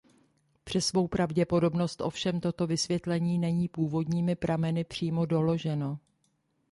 Přes svou pravděpodobnost ovšem toto vysvětlení není původními prameny přímo doloženo.